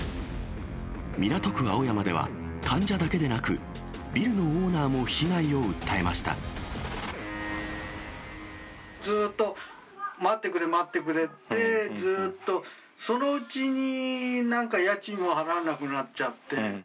港区青山では、患者だけでなく、ビルのオーナーも被害を訴えましずっと待ってくれ、待ってくれって、ずっと、そのうちになんか家賃も払わなくなっちゃって。